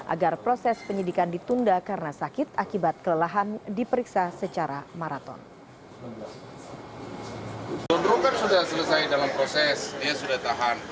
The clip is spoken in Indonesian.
agar proses penyidikan ditunda karena sakit akibat kelelahan dibuat